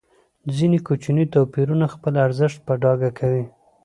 ځینې کوچني توپیرونه خپل ارزښت په ډاګه کوي.